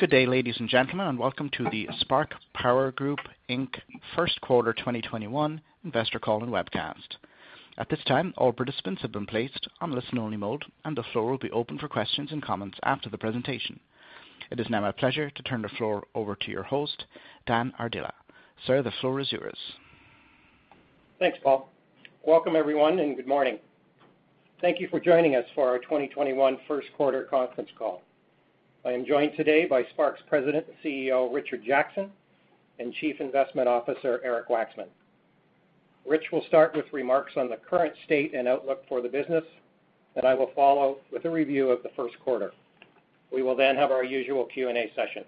Good day, ladies and gentlemen, and welcome to the Spark Power Group Inc first quarter 2021 investor call and webcast. At this time, all participants have been placed on listen-only mode, and the floor will be open for questions and comments after the presentation. It is now my pleasure to turn the floor over to your host, Dan Ardila. Sir, the floor is yours. Thanks, Paul. Welcome everyone, and good morning. Thank you for joining us for our 2021 first quarter conference call. I am joined today by Spark Power's President and CEO, Richard Jackson, and Chief Investment Officer, Eric Waxman. Rich will start with remarks on the current state and outlook for the business. I will follow with a review of the first quarter. We will have our usual Q&A session.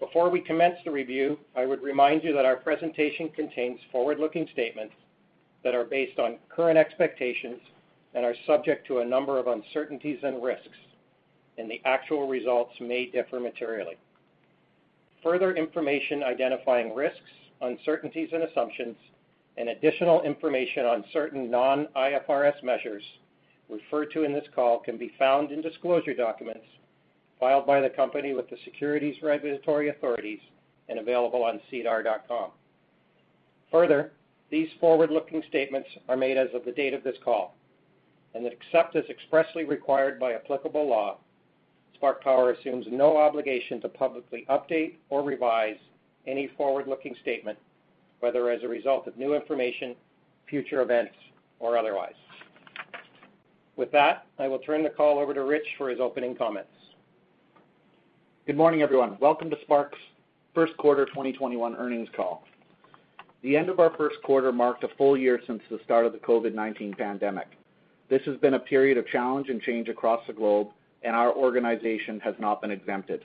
Before we commence the review, I would remind you that our presentation contains forward-looking statements that are based on current expectations and are subject to a number of uncertainties and risks. The actual results may differ materially. Further information identifying risks, uncertainties, and assumptions, additional information on certain non-IFRS measures referred to in this call can be found in disclosure documents filed by the company with the securities regulatory authorities and available on sedar.com. Further, these forward-looking statements are made as of the date of this call, and except as expressly required by applicable law, Spark Power assumes no obligation to publicly update or revise any forward-looking statement, whether as a result of new information, future events, or otherwise. With that, I will turn the call over to Rich for his opening comments. Good morning, everyone. Welcome to Spark's first quarter 2021 earnings call. The end of our first quarter marked a full year since the start of the COVID-19 pandemic. This has been a period of challenge and change across the globe, and our organization has not been exempted.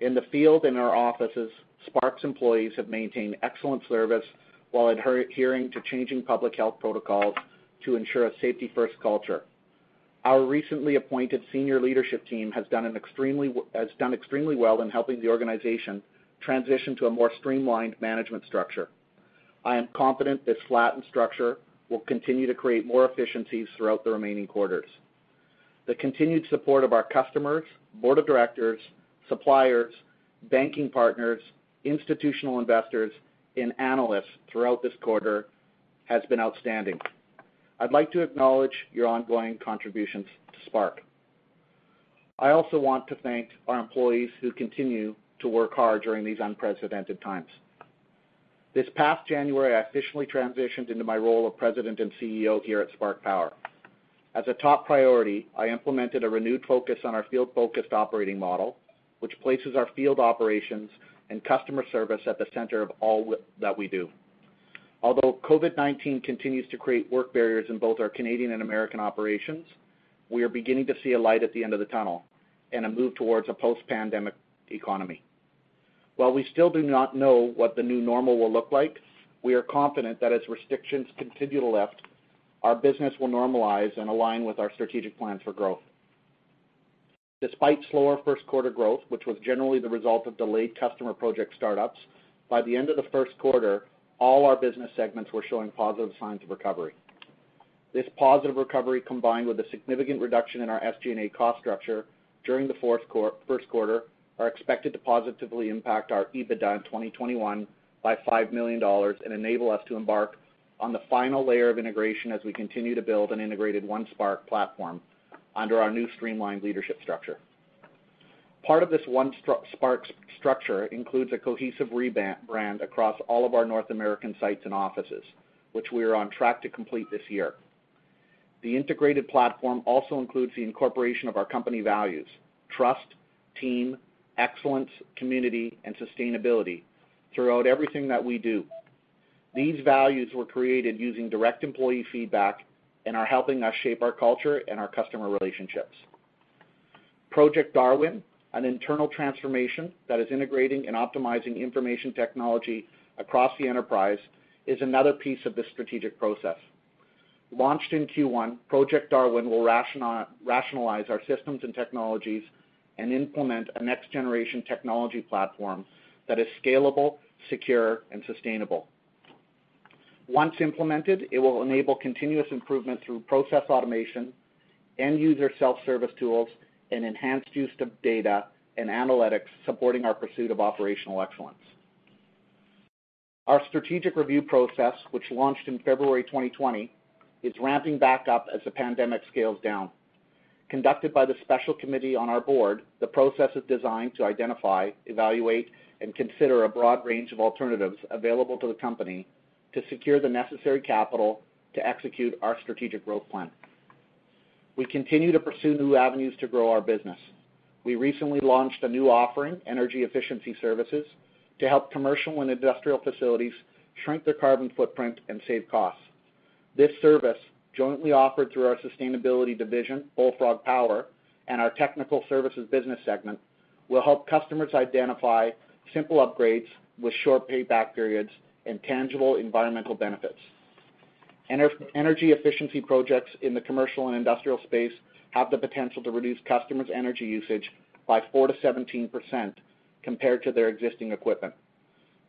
In the field, in our offices, Spark's employees have maintained excellent service while adhering to changing public health protocols to ensure a safety-first culture. Our recently appointed senior leadership team has done extremely well in helping the organization transition to a more streamlined management structure. I am confident this flattened structure will continue to create more efficiencies throughout the remaining quarters. The continued support of our customers, board of directors, suppliers, banking partners, institutional investors, and analysts throughout this quarter has been outstanding. I'd like to acknowledge your ongoing contributions to Spark. I also want to thank our employees who continue to work hard during these unprecedented times. This past January, I officially transitioned into my role of President and CEO here at Spark Power. As a top priority, I implemented a renewed focus on our field-focused operating model, which places our field operations and customer service at the center of all that we do. Although COVID-19 continues to create work barriers in both our Canadian and American operations, we are beginning to see a light at the end of the tunnel and a move towards a post-pandemic economy. While we still do not know what the new normal will look like, we are confident that as restrictions continue to lift, our business will normalize and align with our strategic plans for growth. Despite slower first quarter growth, which was generally the result of delayed customer project startups, by the end of the first quarter, all our business segments were showing positive signs of recovery. This positive recovery, combined with a significant reduction in our SG&A cost structure during the first quarter, are expected to positively impact our EBITDA in 2021 by 5 million dollars and enable us to embark on the final layer of integration as we continue to build an integrated One Spark platform under our new streamlined leadership structure. Part of this One Spark structure includes a cohesive rebrand across all of our North American sites and offices, which we are on track to complete this year. The integrated platform also includes the incorporation of our company values, trust, team, excellence, community, and sustainability, throughout everything that we do. These values were created using direct employee feedback and are helping us shape our culture and our customer relationships. Project Darwin, an internal transformation that is integrating and optimizing information technology across the enterprise, is another piece of this strategic process. Launched in Q1, Project Darwin will rationalize our systems and technologies and implement a next-generation technology platform that is scalable, secure, and sustainable. Once implemented, it will enable continuous improvement through process automation, end-user self-service tools, and enhanced use of data and analytics supporting our pursuit of operational excellence. Our strategic review process, which launched in February 2020, is ramping back up as the pandemic scales down. Conducted by the special committee on our board, the process is designed to identify, evaluate, and consider a broad range of alternatives available to the company to secure the necessary capital to execute our strategic growth plan. We continue to pursue new avenues to grow our business. We recently launched a new offering, Energy Efficiency Services, to help commercial and industrial facilities shrink their carbon footprint and save costs. This service, jointly offered through our sustainability division, Bullfrog Power, and our technical services business segment, will help customers identify simple upgrades with short payback periods and tangible environmental benefits. Energy efficiency projects in the commercial and industrial space have the potential to reduce customers' energy usage by 4%-17% compared to their existing equipment.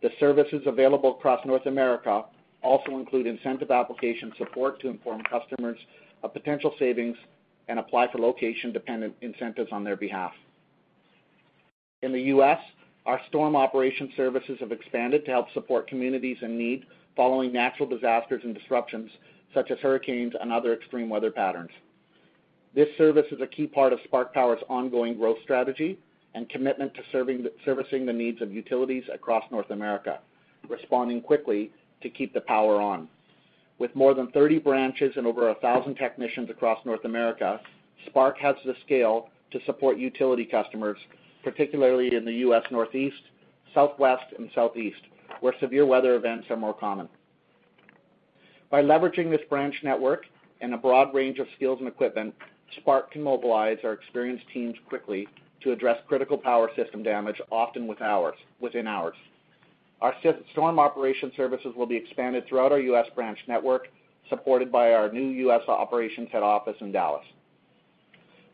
The services available across North America also include incentive application support to inform customers of potential savings and apply for location-dependent incentives on their behalf. In the U.S., our storm operation services have expanded to help support communities in need following natural disasters and disruptions, such as hurricanes and other extreme weather patterns. This service is a key part of Spark Power's ongoing growth strategy and commitment to servicing the needs of utilities across North America, responding quickly to keep the power on. With more than 30 branches and over 1,000 technicians across North America, Spark has the scale to support utility customers, particularly in the U.S. Northeast, Southwest, and Southeast, where severe weather events are more common. By leveraging this branch network and a broad range of skills and equipment, Spark can mobilize our experienced teams quickly to address critical power system damage, often within hours. Our storm operation services will be expanded throughout our U.S. branch network, supported by our new U.S. operations head office in Dallas.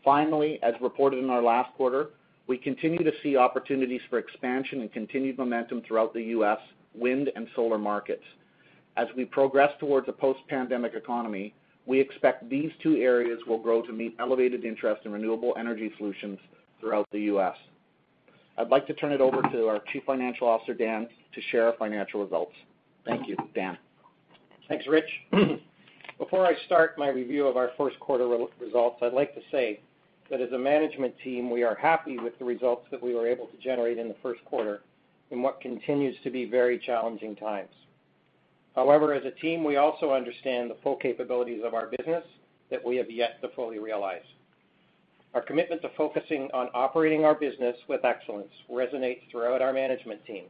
Finally, as reported in our last quarter, we continue to see opportunities for expansion and continued momentum throughout the U.S. wind and solar markets. As we progress towards a post-pandemic economy, we expect these two areas will grow to meet elevated interest in renewable energy solutions throughout the U.S. I'd like to turn it over to our Chief Financial Officer, Dan, to share our financial results. Thank you. Dan. Thanks, Rich. Before I start my review of our first quarter results, I'd like to say that as a management team, we are happy with the results that we were able to generate in the first quarter, in what continues to be very challenging times. However, as a team, we also understand the full capabilities of our business that we have yet to fully realize. Our commitment to focusing on operating our business with excellence resonates throughout our management team,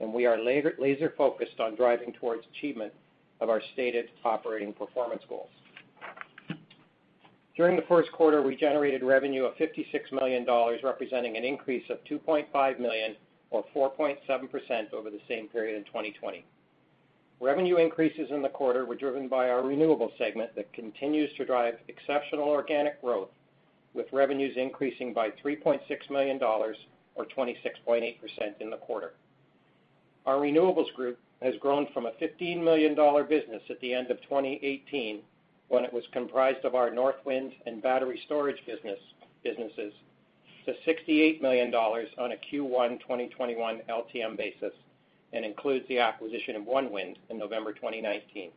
and we are laser-focused on driving towards achievement of our stated operating performance goals. During the first quarter, we generated revenue of 56 million dollars, representing an increase of 2.5 million or 4.7% over the same period in 2020. Revenue increases in the quarter were driven by our renewables segment that continues to drive exceptional organic growth, with revenues increasing by 3.6 million dollars or 26.8% in the quarter. Our renewables group has grown from a 15 million dollar business at the end of 2018, when it was comprised of our Northwind and battery storage businesses, to 68 million dollars on a Q1 2021 LTM basis and includes the acquisition of One Wind in November 2019.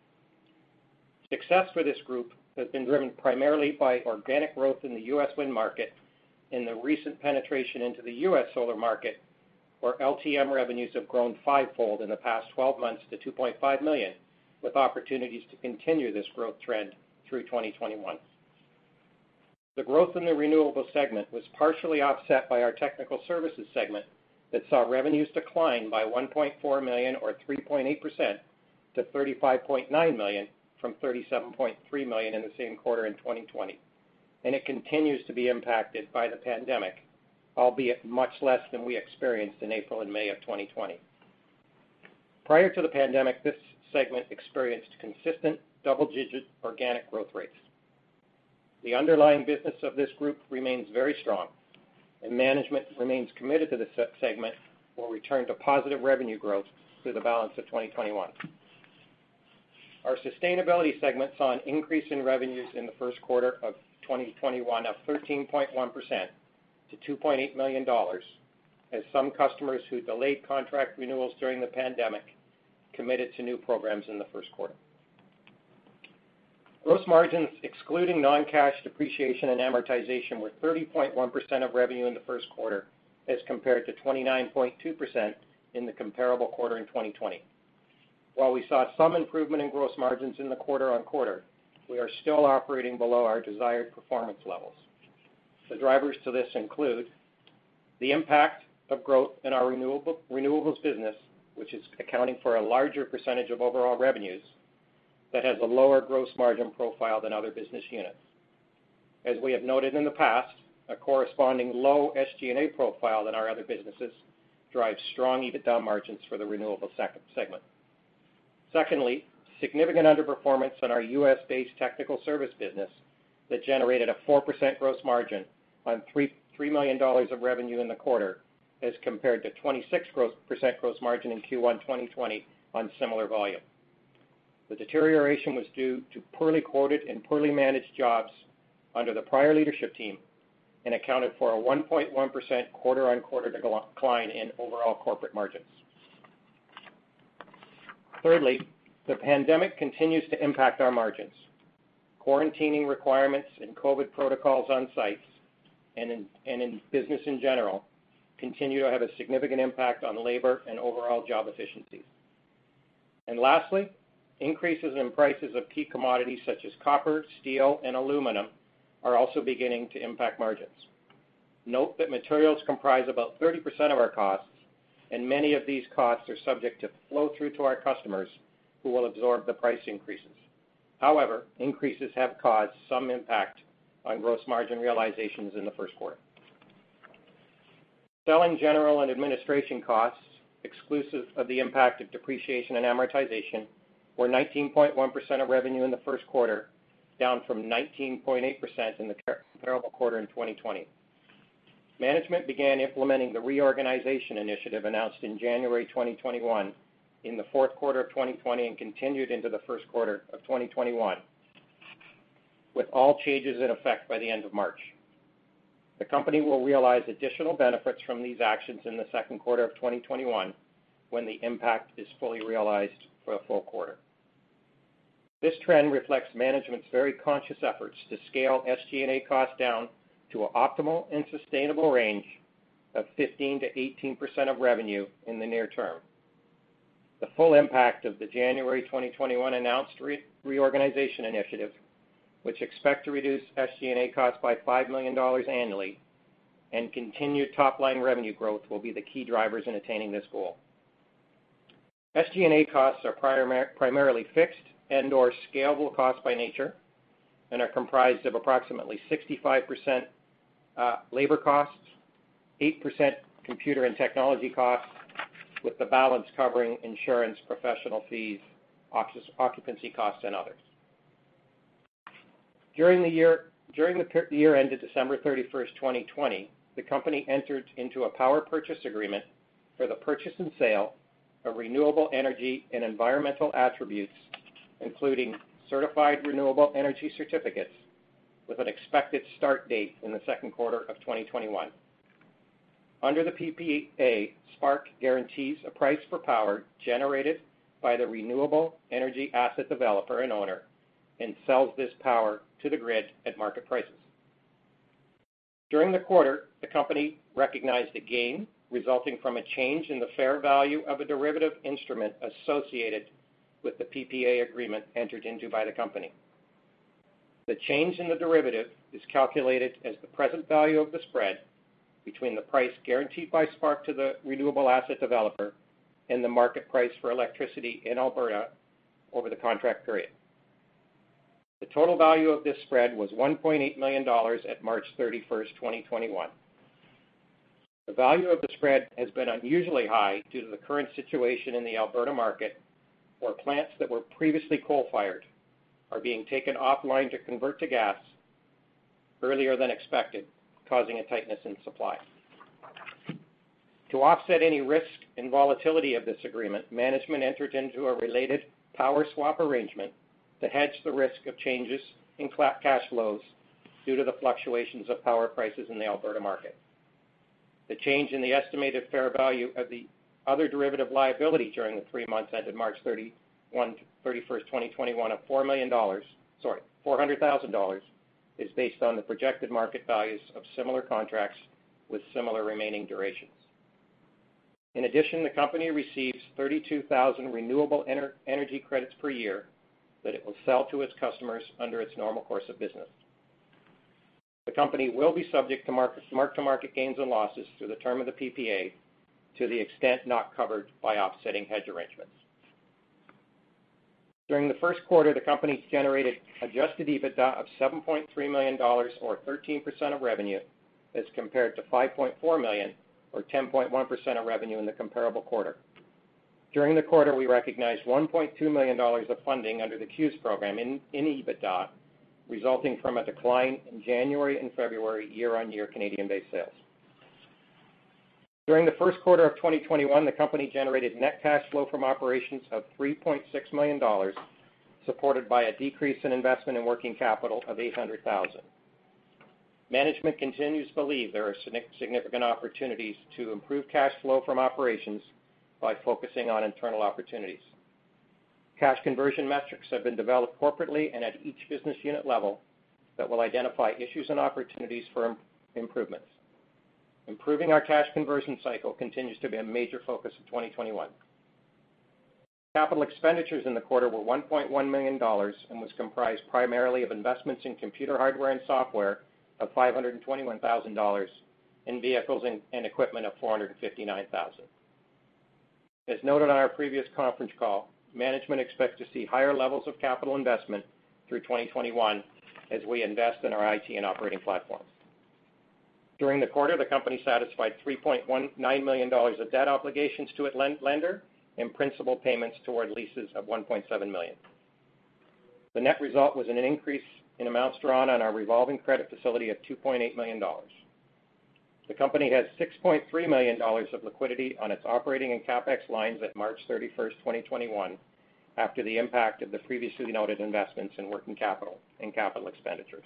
Success for this group has been driven primarily by organic growth in the U.S. wind market and the recent penetration into the U.S. solar market, where LTM revenues have grown fivefold in the past 12 months to 2.5 million, with opportunities to continue this growth trend through 2021. The growth in the renewables segment was partially offset by our technical services segment that saw revenues decline by 1.4 million or 3.8% to 35.9 million from 37.3 million in the same quarter in 2020. It continues to be impacted by the pandemic, albeit much less than we experienced in April and May of 2020. Prior to the pandemic, this segment experienced consistent double-digit organic growth rates. The underlying business of this group remains very strong and management remains committed to this segment will return to positive revenue growth through the balance of 2021. Our sustainability segment saw an increase in revenues in the first quarter of 2021 of 13.1% to 2.8 million dollars, as some customers who delayed contract renewals during the pandemic committed to new programs in the first quarter. Gross margins, excluding non-cash depreciation and amortization, were 30.1% of revenue in the first quarter as compared to 29.2% in the comparable quarter in 2020. While we saw some improvement in gross margins in the quarter-over-quarter, we are still operating below our desired performance levels. The drivers to this include the impact of growth in our renewables business, which is accounting for a larger percentage of overall revenues that has a lower gross margin profile than other business units. As we have noted in the past, a corresponding low SG&A profile in our other businesses drives strong EBITDA margins for the renewables segment. Secondly, significant underperformance on our U.S.-based technical service business that generated a 4% gross margin on 3 million dollars of revenue in the quarter as compared to 26% gross margin in Q1 2020 on similar volume. The deterioration was due to poorly quoted and poorly managed jobs under the prior leadership team and accounted for a 1.1% quarter-on-quarter decline in overall corporate margins. Thirdly, the pandemic continues to impact our margins. Quarantining requirements and COVID protocols on sites and in business in general, continue to have a significant impact on labor and overall job efficiencies. Lastly, increases in prices of key commodities such as copper, steel, and aluminum are also beginning to impact margins. Note that materials comprise about 30% of our costs, and many of these costs are subject to flow through to our customers, who will absorb the price increases. However, increases have caused some impact on gross margin realizations in the first quarter. Selling, General, and Administration costs, exclusive of the impact of depreciation and amortization, were 19.1% of revenue in the first quarter, down from 19.8% in the comparable quarter in 2020. Management began implementing the reorganization initiative announced in January 2021, in the fourth quarter of 2020, and continued into the first quarter of 2021, with all changes in effect by the end of March. The company will realize additional benefits from these actions in the second quarter of 2021 when the impact is fully realized for a full quarter. This trend reflects management's very conscious efforts to scale SG&A costs down to an optimal and sustainable range of 15%-18% of revenue in the near term. The full impact of the January 2021 announced reorganization initiative, which expect to reduce SG&A costs by 5 million dollars annually and continued top-line revenue growth, will be the key drivers in attaining this goal. SG&A costs are primarily fixed and/or scalable costs by nature and are comprised of approximately 65% labor costs, 8% computer and technology costs, with the balance covering insurance, professional fees, occupancy costs, and others. During the year ended December 31st, 2020, the company entered into a Power Purchase Agreement for the purchase and sale of renewable energy and environmental attributes, including certified renewable energy certificates, with an expected start date in the second quarter of 2021. Under the PPA, Spark guarantees a price for power generated by the renewable energy asset developer and owner and sells this power to the grid at market prices. During the quarter, the company recognized a gain resulting from a change in the fair value of a derivative instrument associated with the PPA agreement entered into by the company. The change in the derivative is calculated as the present value of the spread between the price guaranteed by Spark to the renewable asset developer and the market price for electricity in Alberta over the contract period. The total value of this spread was 1.8 million dollars at March 31st, 2021. The value of the spread has been unusually high due to the current situation in the Alberta market, where plants that were previously coal-fired are being taken offline to convert to gas earlier than expected, causing a tightness in supply. To offset any risk and volatility of this agreement, management entered into a related power swap arrangement to hedge the risk of changes in cash flows due to the fluctuations of power prices in the Alberta market. The change in the estimated fair value of the other derivative liability during the three months ended March 31st, 2021 of 400,000 dollars, is based on the projected market values of similar contracts with similar remaining durations. In addition, the company receives 32,000 renewable energy credits per year that it will sell to its customers under its normal course of business. The company will be subject to mark-to-market gains and losses through the term of the PPA to the extent not covered by offsetting hedge arrangements. During the first quarter, the company generated adjusted EBITDA of 7.3 million dollars or 13% of revenue as compared to 5.4 million or 10.1% of revenue in the comparable quarter. During the quarter, we recognized 1.2 million dollars of funding under the CEWS program in EBITDA, resulting from a decline in January and February year-on-year Canadian-based sales. During the first quarter of 2021, the company generated net cash flow from operations of 3.6 million dollars, supported by a decrease in investment and working capital of 800,000. Management continues to believe there are significant opportunities to improve cash flow from operations by focusing on internal opportunities. Cash conversion metrics have been developed corporately and at each business unit level that will identify issues and opportunities for improvements. Improving our cash conversion cycle continues to be a major focus of 2021. Capital expenditures in the quarter were 1.1 million dollars and was comprised primarily of investments in computer hardware and software of 521,000 dollars, in vehicles and equipment of 459,000. As noted on our previous conference call, management expects to see higher levels of capital investment through 2021 as we invest in our IT and operating platforms. During the quarter, the company satisfied 3.9 million dollars of debt obligations to its lender and principal payments toward leases of 1.7 million. The net result was an increase in amounts drawn on our revolving credit facility of 2.8 million dollars. The company has 6.3 million dollars of liquidity on its operating and CapEx lines at March 31st, 2021, after the impact of the previously noted investments in working capital and capital expenditures.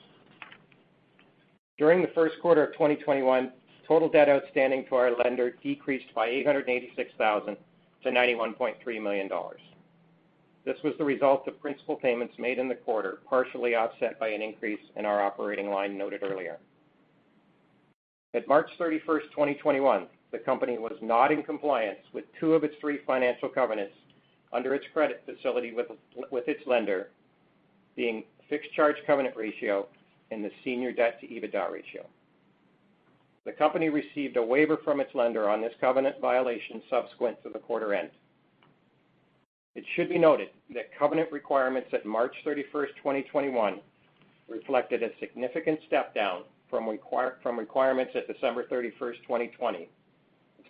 During the first quarter of 2021, total debt outstanding to our lender decreased by 886,000 to 91.3 million dollars. This was the result of principal payments made in the quarter, partially offset by an increase in our operating line noted earlier. At March 31st, 2021, the company was not in compliance with two of its three financial covenants under its credit facility with its lender, being fixed charge covenant ratio and the senior debt to EBITDA ratio. The company received a waiver from its lender on this covenant violation subsequent to the quarter end. It should be noted that covenant requirements at March 31st, 2021, reflected a significant step down from requirements at December 31st, 2020.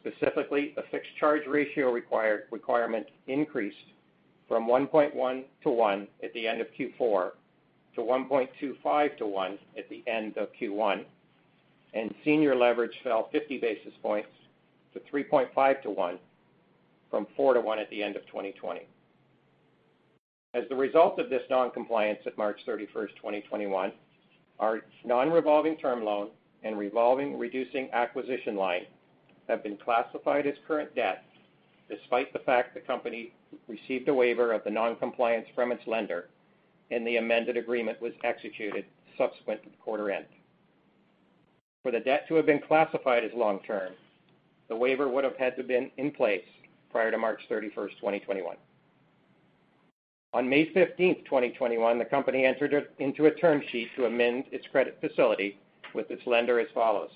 Specifically, the fixed charge ratio requirement increased from 1.1x to 1x at the end of Q4 to 1.25x to 1x at the end of Q1, and senior leverage fell 50 basis points to 3.5x to 1x from 4x to 1x at the end of 2020. As the result of this non-compliance at March 31st, 2021, our non-revolving term loan and revolving reducing acquisition line have been classified as current debt despite the fact the company received a waiver of the non-compliance from its lender and the amended agreement was executed subsequent to the quarter end. For the debt to have been classified as long-term, the waiver would have had to been in place prior to March 31st, 2021. On May 15th, 2021, the company entered into a term sheet to amend its credit facility with its lender as follows.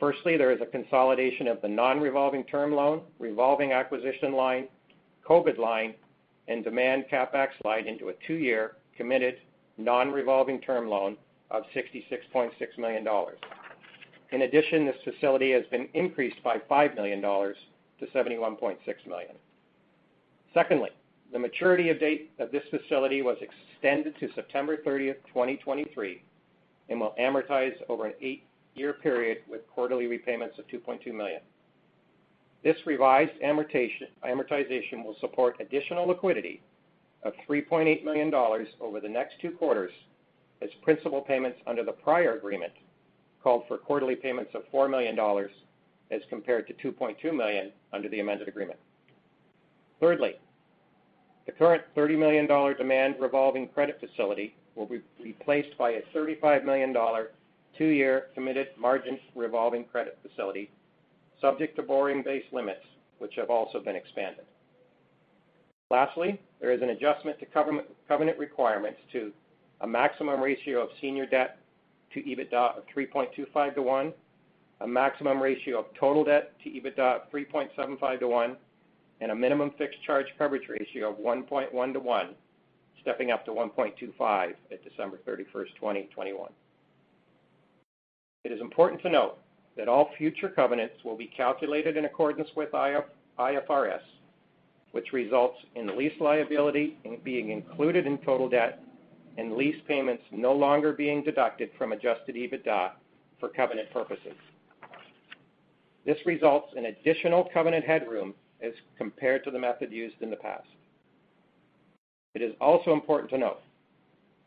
Firstly, there is a consolidation of the non-revolving term loan, revolving acquisition line, COVID line, and demand CapEx line into a two-year committed non-revolving term loan of 66.6 million dollars. In addition, this facility has been increased by 5 million dollars to 71.6 million. Secondly, the maturity date of this facility was extended to September 30th, 2023, and will amortize over an eight-year period with quarterly repayments of 2.2 million. This revised amortization will support additional liquidity of 3.8 million dollars over the next two quarters as principal payments under the prior agreement called for quarterly payments of 4 million dollars as compared to 2.2 million under the amended agreement. Thirdly, the current 30 million dollar demand revolving credit facility will be replaced by a 35 million dollar two-year committed margin revolving credit facility subject to borrowing base limits, which have also been expanded. Lastly, there is an adjustment to covenant requirements to a maximum ratio of senior debt to EBITDA of 3.25x to 1x, a maximum ratio of total debt to EBITDA of 3.75x to 1x, and a minimum fixed charge coverage ratio of 1.1x to 1x, stepping up to 1.25x at December 31st, 2021. It is important to note that all future covenants will be calculated in accordance with IFRS, which results in the lease liability being included in total debt and lease payments no longer being deducted from adjusted EBITDA for covenant purposes. This results in additional covenant headroom as compared to the method used in the past. It is also important to note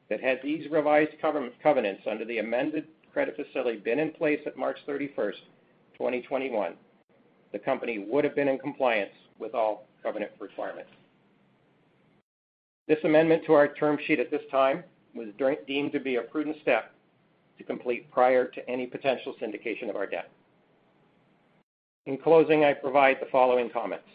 that had these revised covenants under the amended credit facility been in place at March 31st, 2021, the company would have been in compliance with all covenant requirements. This amendment to our term sheet at this time was deemed to be a prudent step to complete prior to any potential syndication of our debt. In closing, I provide the following comments.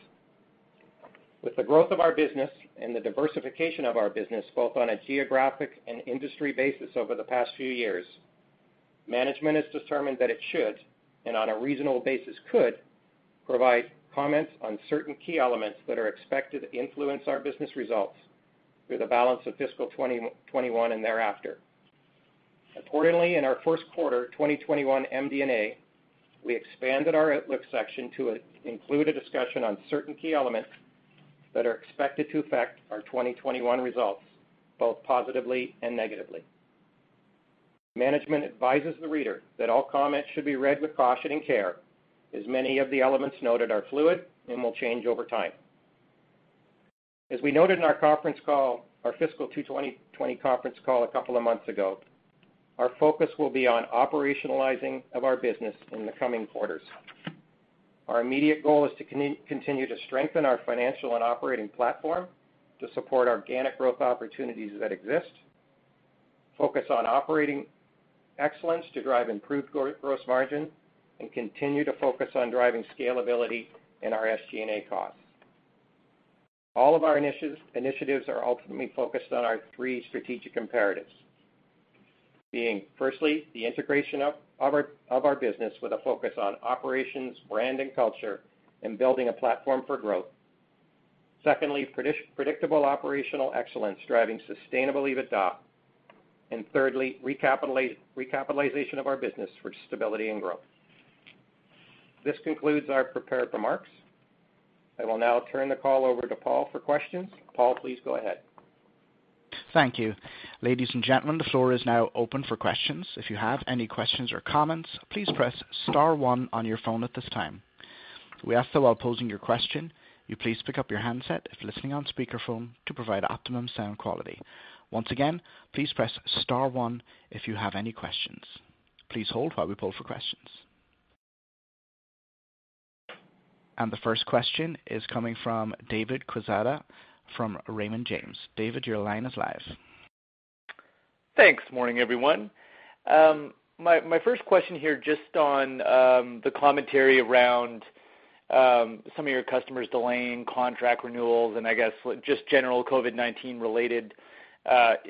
With the growth of our business and the diversification of our business, both on a geographic and industry basis over the past few years, management has determined that it should, and on a reasonable basis could, provide comments on certain key elements that are expected to influence our business results through the balance of fiscal 2021 and thereafter. Accordingly, in our first quarter 2021 MD&A, we expanded our outlook section to include a discussion on certain key elements that are expected to affect our 2021 results, both positively and negatively. Management advises the reader that all comments should be read with caution and care, as many of the elements noted are fluid and will change over time. As we noted in our fiscal 2020 conference call a couple of months ago, our focus will be on operationalizing of our business in the coming quarters. Our immediate goal is to continue to strengthen our financial and operating platform to support organic growth opportunities that exist, focus on operating excellence to drive improved gross margin, and continue to focus on driving scalability in our SG&A costs. All of our initiatives are ultimately focused on our three strategic imperatives, being firstly, the integration of our business with a focus on operations, brand, and culture, and building a platform for growth. Secondly, predictable operational excellence driving sustainable EBITDA. Thirdly, recapitalization of our business for stability and growth. This concludes our prepared remarks. I will now turn the call over to Paul for questions. Paul, please go ahead. Thank you. Ladies and gentlemen, the floor is now open for questions. If you have any questions or comments, please press star one on your phone at this time. We ask that while posing your question, you please pick up your handset if listening on speakerphone to provide optimum sound quality. Once again, please press star one if you have any questions. Please hold while we poll for questions. The first question is coming from David Quezada from Raymond James. David, your line is live. Thanks. Morning, everyone. My first question here, just on the commentary around some of your customers delaying contract renewals and I guess just general COVID-19 related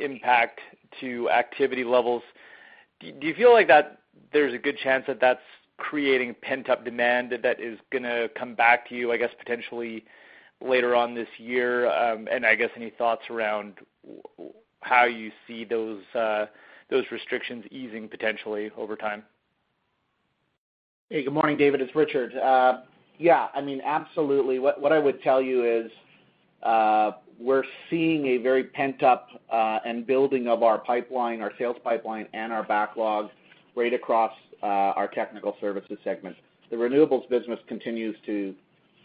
impact to activity levels. Do you feel like that there's a good chance that's creating pent-up demand that is going to come back to you, I guess, potentially later on this year? I guess any thoughts around how you see those restrictions easing potentially over time. Hey, good morning, David, it's Richard. Yeah, absolutely. What I would tell you is, we're seeing a very pent-up and building of our sales pipeline and our backlog right across our technical services segment. The renewables business continues to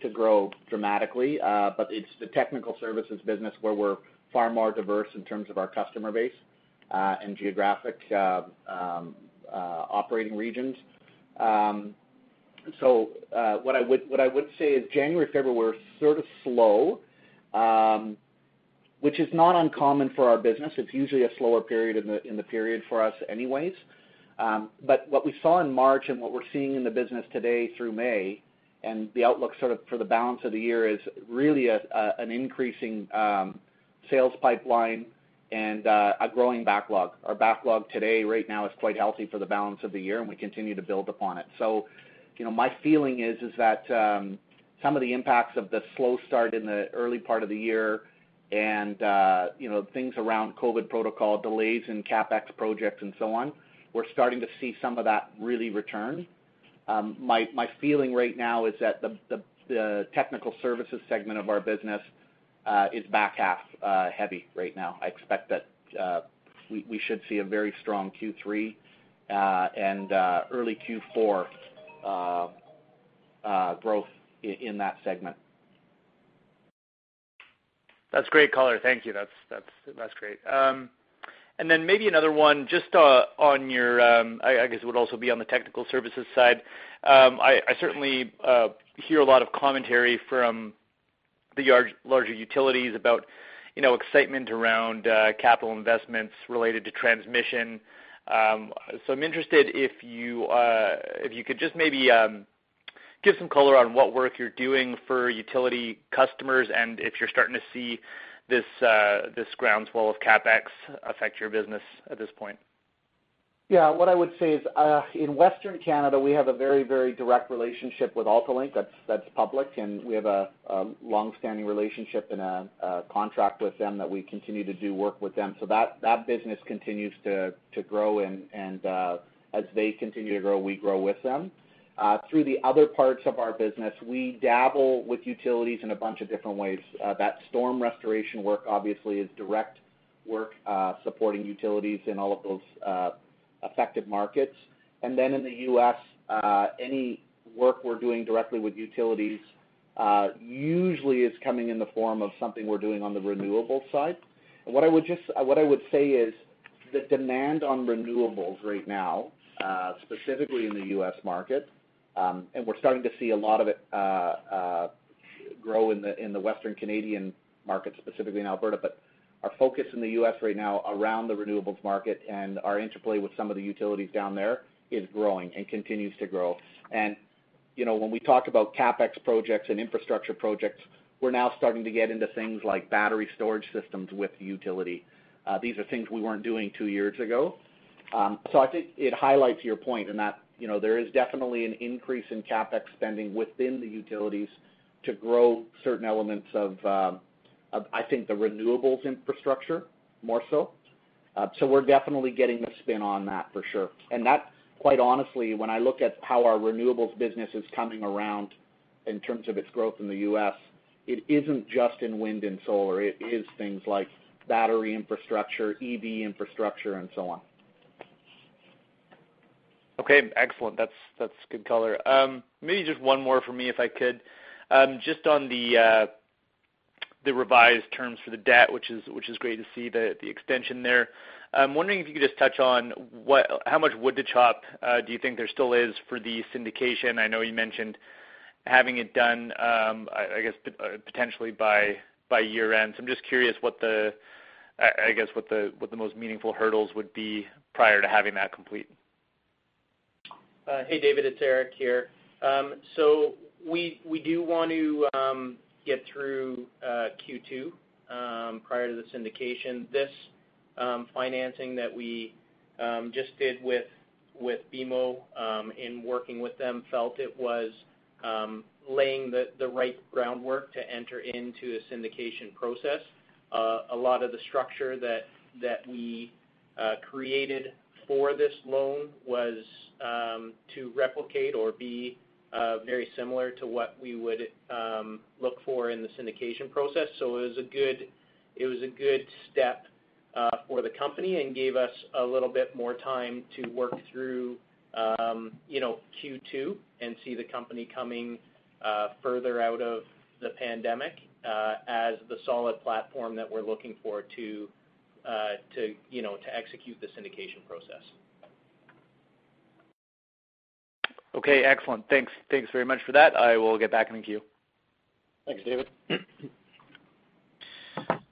grow dramatically, it's the technical services business where we're far more diverse in terms of our customer base, and geographic operating regions. What I would say is January, February were sort of slow, which is not uncommon for our business. It's usually a slower period in the period for us anyway. What we saw in March and what we're seeing in the business today through May, and the outlook for the balance of the year, is really an increasing sales pipeline and a growing backlog. Our backlog today, right now, is quite healthy for the balance of the year, and we continue to build upon it. My feeling is that some of the impacts of the slow start in the early part of the year and things around COVID-19 protocol delays and CapEx projects and so on, we're starting to see some of that really return. My feeling right now is that the technical services segment of our business is back-half heavy right now. I expect that we should see a very strong Q3, and early Q4 growth in that segment. That's great color. Thank you. That's great. Maybe another one, I guess, would also be on the technical services side. I certainly hear a lot of commentary from the larger utilities about excitement around capital investments related to transmission. I'm interested if you could just maybe give some color on what work you're doing for utility customers and if you're starting to see this groundswell of CapEx affect your business at this point. Yeah. What I would say is, in Western Canada, we have a very, very direct relationship with AltaLink. That's public, and we have a longstanding relationship and a contract with them that we continue to do work with them. That business continues to grow, and as they continue to grow, we grow with them. Through the other parts of our business, we dabble with utilities in a bunch of different ways. That storm restoration work, obviously, is direct work, supporting utilities in all of those affected markets. In the U.S., any work we're doing directly with utilities usually is coming in the form of something we're doing on the renewables side. What I would say is, the demand on renewables right now, specifically in the U.S. market, and we're starting to see a lot of it grow in the Western Canadian market, specifically in Alberta, but our focus in the U.S. right now around the renewables market and our interplay with some of the utilities down there is growing and continues to grow. When we talk about CapEx projects and infrastructure projects, we're now starting to get into things like battery storage systems with utility. These are things we weren't doing two years ago. I think it highlights your point in that there is definitely an increase in CapEx spending within the utilities to grow certain elements of, I think, the renewables infrastructure more so. We're definitely getting the spin on that, for sure. That, quite honestly, when I look at how our renewables business is coming around in terms of its growth in the U.S., it isn't just in wind and solar. It is things like battery infrastructure, EV infrastructure, and so on. Okay. Excellent. That's good color. Maybe just one more from me, if I could. Just on the revised terms for the debt, which is great to see the extension there. I'm wondering if you could just touch on how much wood to chop do you think there still is for the syndication? I know you mentioned having it done, I guess, potentially by year-end. I'm just curious I guess, what the most meaningful hurdles would be prior to having that complete? Hey, David, it's Eric here. We do want to get through Q2 prior to the syndication. This financing that we just did with BMO, in working with them felt it was laying the right groundwork to enter into a syndication process. A lot of the structure that we created for this loan was to replicate or be very similar to what we would look for in the syndication process. It was a good step for the company and gave us a little bit more time to work through Q2 and see the company coming further out of the pandemic as the solid platform that we're looking for to execute the syndication process. Okay. Excellent. Thanks very much for that. I will get back in the queue. Thanks, David.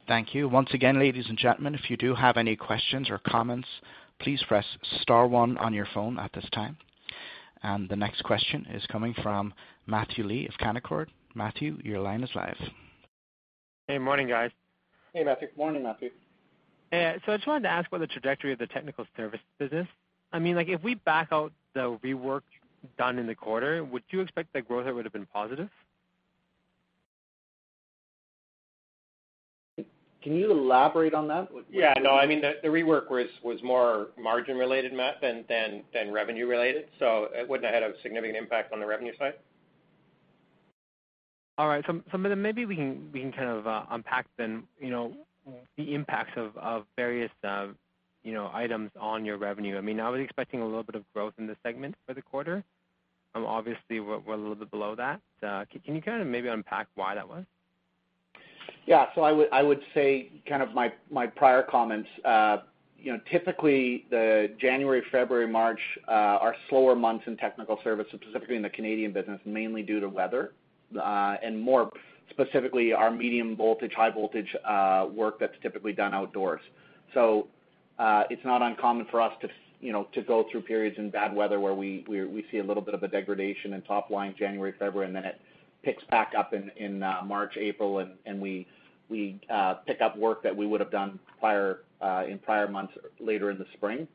Thank you. Once again, ladies and gentlemen, if you do have any questions or comments, please press star one on your phone at this time. The next question is coming from Matthew Lee of Canaccord. Matthew, your line is live. Hey, morning, guys. Hey, Matthew. Morning, Matthew. I just wanted to ask what the trajectory of the technical services is. If we back out the rework done in the quarter, would you expect that growth rate would've been positive? Can you elaborate on that? Yeah, no, the rework was more margin related, Matt, than revenue related. It wouldn't have had a significant impact on the revenue side. All right. Maybe we can kind of unpack then the impacts of various items on your revenue. I was expecting a little bit of growth in this segment for the quarter. Obviously, we're a little bit below that. Can you maybe unpack why that was? Yeah, I would say my prior comments. Typically, the January, February, March are slower months in technical service, specifically in the Canadian business, mainly due to weather, and more specifically, our medium voltage, high voltage work that's typically done outdoors. It's not uncommon for us to go through periods in bad weather where we see a little bit of a degradation in top line January, February, and then it picks back up in March, April, and we pick up work that we would have done in prior months, later in the spring.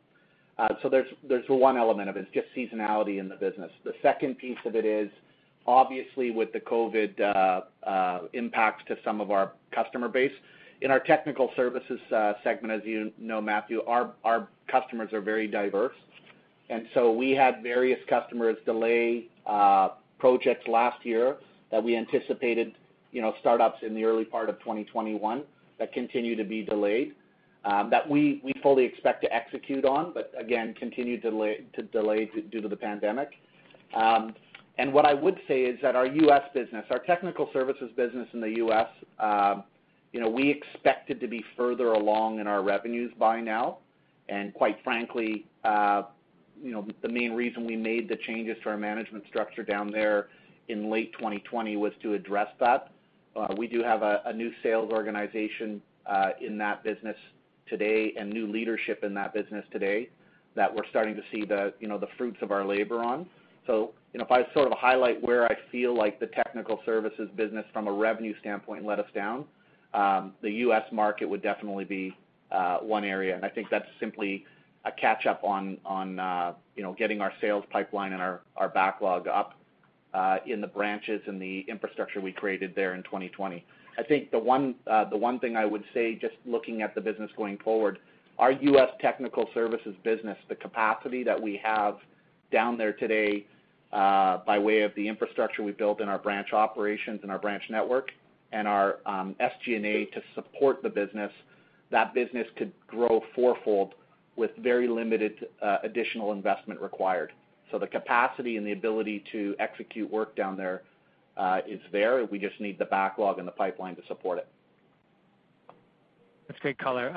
There's one element of it, is just seasonality in the business. The second piece of it is, obviously with the COVID-19 impacts to some of our customer base. In our technical services segment, as you know, Matthew, our customers are very diverse. We had various customers delay projects last year that we anticipated startups in the early part of 2021 that continue to be delayed, that we fully expect to execute on, but again, continue to delay due to the pandemic. What I would say is that our U.S. business, our technical services business in the U.S., we expected to be further along in our revenues by now. Quite frankly, the main reason we made the changes to our management structure down there in late 2020 was to address that. We do have a new sales organization in that business today and new leadership in that business today that we're starting to see the fruits of our labor on. If I sort of highlight where I feel like the technical services business from a revenue standpoint let us down, the U.S. market would definitely be one area, and I think that's simply a catch-up on getting our sales pipeline and our backlog up in the branches and the infrastructure we created there in 2020. I think the one thing I would say, just looking at the business going forward, our U.S. technical services business, the capacity that we have down there today, by way of the infrastructure we built in our branch operations and our branch network and our SG&A to support the business, that business could grow four-fold with very limited additional investment required. The capacity and the ability to execute work down there is there. We just need the backlog and the pipeline to support it. That's great color.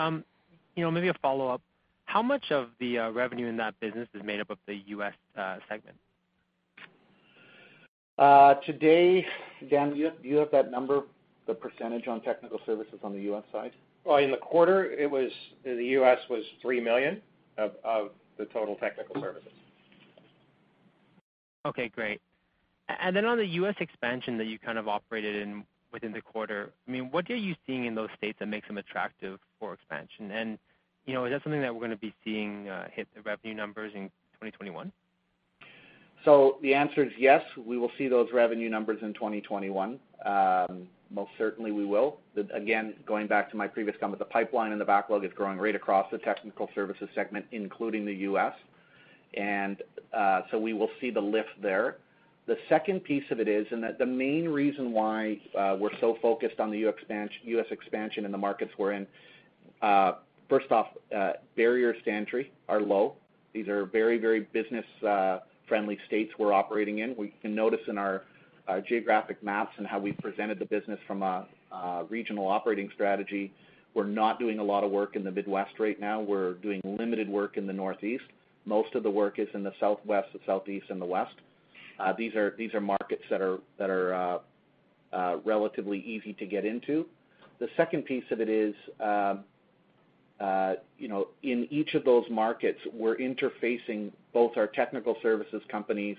Maybe a follow-up. How much of the revenue in that business is made up of the U.S. segment? Today, Dan, do you have that number? The percentage on technical services on the U.S. side? In the quarter, the U.S. was 3 million of the total technical services. Okay, great. On the U.S. expansion that you kind of operated in within the quarter, what are you seeing in those states that makes them attractive for expansion? Is that something that we're going to be seeing hit the revenue numbers in 2021? The answer is yes, we will see those revenue numbers in 2021. Most certainly, we will. Going back to my previous comment, the pipeline and the backlog is growing right across the technical services segment, including the U.S., and so we will see the lift there. The second piece of it is, and the main reason why we're so focused on the U.S. expansion in the markets we're in. First off, barriers to entry are low. These are very business-friendly states we're operating in. We can notice in our geographic maps and how we've presented the business from a regional operating strategy. We're not doing a lot of work in the Midwest right now. We're doing limited work in the Northeast. Most of the work is in the Southwest, the Southeast, and the West. These are markets that are relatively easy to get into. The second piece of it is in each of those markets, we're interfacing both our technical services companies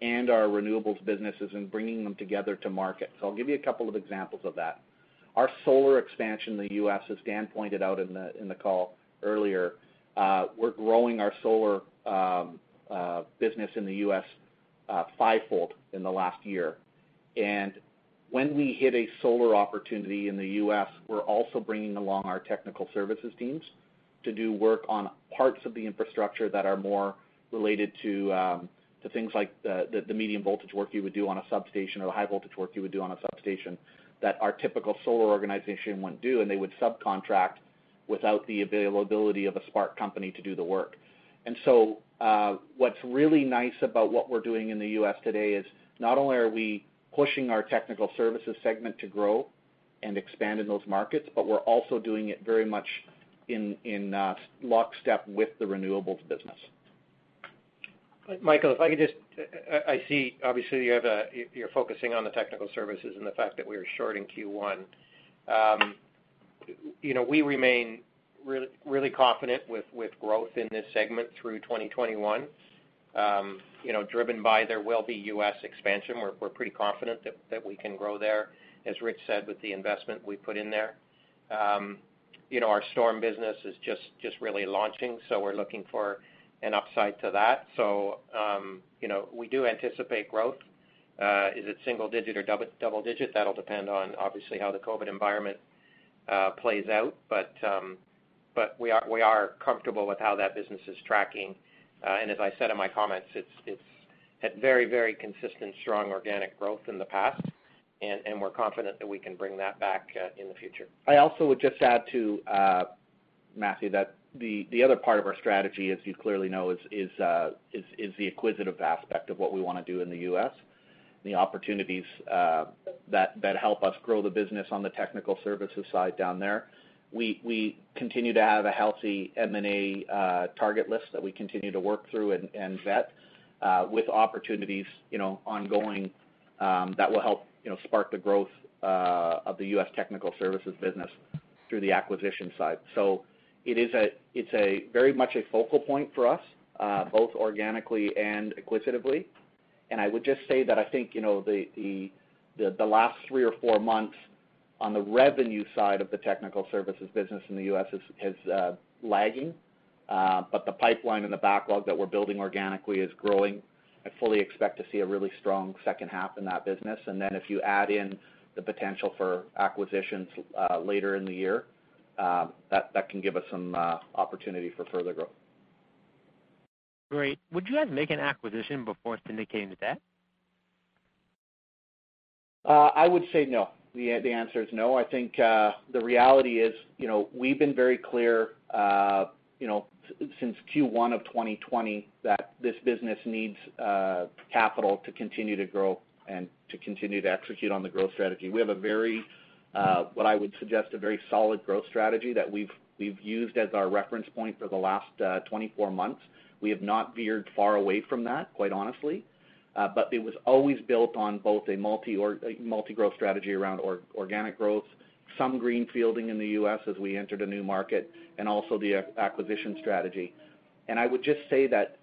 and our renewables businesses and bringing them together to market. I'll give you a couple of examples of that. Our solar expansion in the U.S., as Dan pointed out in the call earlier, we're growing our solar business in the U.S. fivefold in the last year. When we hit a solar opportunity in the U.S., we're also bringing along our technical services teams to do work on parts of the infrastructure that are more related to things like the medium voltage work you would do on a substation or the high voltage work you would do on a substation that our typical solar organization wouldn't do, and they would subcontract without the availability of a Spark company to do the work. What's really nice about what we're doing in the U.S. today is not only are we pushing our technical services segment to grow and expand in those markets, but we're also doing it very much in lockstep with the renewables business. Matthew, I see, obviously, you're focusing on the technical services and the fact that we were short in Q1. We remain really confident with growth in this segment through 2021. Driven by there will be U.S. expansion. We're pretty confident that we can grow there, as Rich said, with the investment we put in there. Our storm business is just really launching. We're looking for an upside to that. We do anticipate growth. Is it single digit or double digit? That'll depend on, obviously, how the COVID environment plays out. We are comfortable with how that business is tracking. As I said in my comments, it's had very consistent, strong organic growth in the past. We're confident that we can bring that back in the future. I also would just add too, Matthew, that the other part of our strategy, as you clearly know, is the acquisitive aspect of what we want to do in the U.S., and the opportunities that help us grow the business on the technical services side down there. We continue to have a healthy M&A target list that we continue to work through and vet with opportunities ongoing that will help spark the growth of the U.S. technical services business through the acquisition side. It's very much a focal point for us, both organically and acquisitively. I would just say that I think, the last three or four months on the revenue side of the technical services business in the U.S. is lagging. The pipeline and the backlog that we're building organically is growing. I fully expect to see a really strong second half in that business. If you add in the potential for acquisitions later in the year, that can give us some opportunity for further growth. Great. Would you guys make an acquisition before syndicating the debt? I would say no. The answer is no. I think the reality is, we've been very clear, since Q1 of 2020, that this business needs capital to continue to grow and to continue to execute on the growth strategy. We have a very, what I would suggest, a very solid growth strategy that we've used as our reference point for the last 24 months. We have not veered far away from that, quite honestly. It was always built on both a multi-growth strategy around organic growth, some green fielding in the U.S. as we entered a new market, and also the acquisition strategy. I would just say that,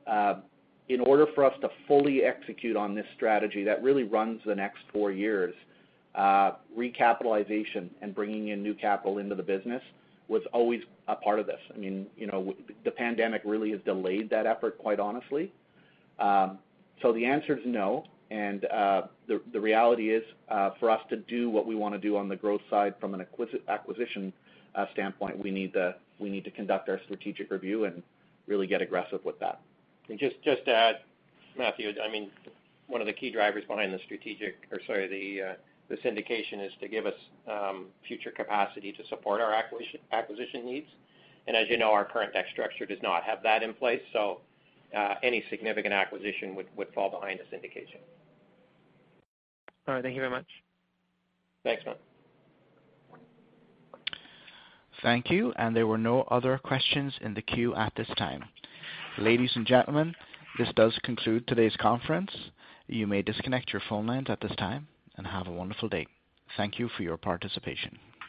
in order for us to fully execute on this strategy that really runs the next four years, recapitalization and bringing in new capital into the business was always a part of this. I mean, the pandemic really has delayed that effort, quite honestly. The answer is no, the reality is, for us to do what we want to do on the growth side from an acquisition standpoint, we need to conduct our strategic review and really get aggressive with that. Just to add, Matthew, one of the key drivers behind the syndication is to give us future capacity to support our acquisition needs. As you know, our current debt structure does not have that in place, so any significant acquisition would fall behind a syndication. All right. Thank you very much. Thanks, Matthew. Thank you. There were no other questions in the queue at this time. Ladies and gentlemen, this does conclude today's conference. You may disconnect your phone lines at this time, and have a wonderful day. Thank you for your participation.